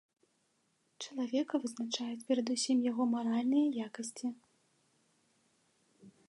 Чалавека вызначаюць перадусім яго маральныя якасці.